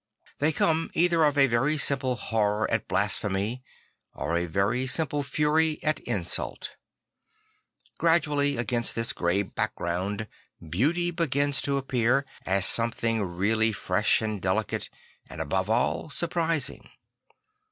They come either of a very simple horror at blasphemy or a very simple fury at insult. Gradually against this grey background bea uty begins to appear, as something really fresh and delicate and a bove all surprising.